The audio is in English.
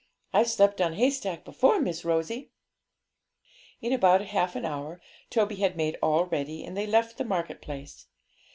I've slept on a haystack before this, Miss Rosie.' In about half an hour Toby had made all ready, and they left the market place.